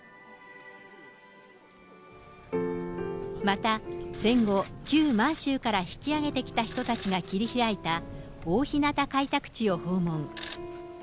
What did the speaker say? また戦後、旧満州から引き揚げてきた人たちが切り開いた大日向開拓地を訪問。